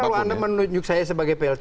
karena kalau anda menunjuk saya sebagai plt